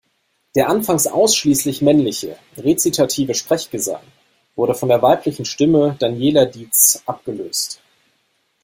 Der anfangs ausschließlich männliche, rezitative Sprechgesang wurde von der weiblichen Stimme Daniela Dietz' abgelöst.